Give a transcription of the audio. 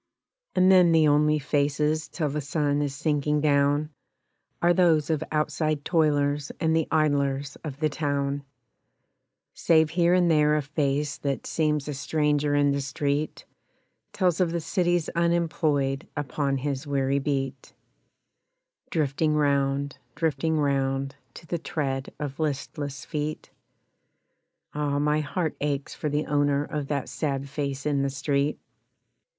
And then the only faces till the sun is sinking down Are those of outside toilers and the idlers of the town, Save here and there a face that seems a stranger in the street, Tells of the city's unemployed upon his weary beat Drifting round, drifting round, To the tread of listless feet Ah! My heart aches for the owner of that sad face in the street.